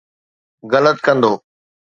غلط ڪندو.